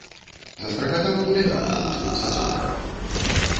Застракатаў кулямёт па густым сасонніку.